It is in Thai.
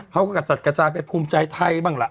เขาก็กระจัดกระจายไปภูมิใจไทยบ้างล่ะ